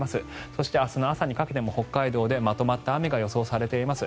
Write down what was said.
そして明日の朝にかけても北海道でまとまった雨が予想されています。